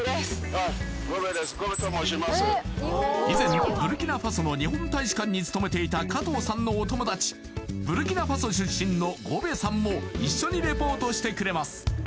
以前ブルキナファソの日本大使館に勤めていた加藤さんのお友だちブルキナファソ出身のゴベさんも一緒にリポートしてくれます